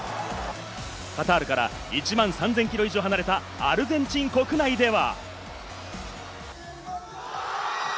カタールから１万３０００キロ以上離れたアルゼンチン国内では。